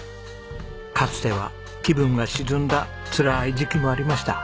かつては気分が沈んだつらい時期もありました。